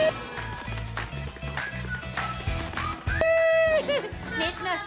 นิตหน่อย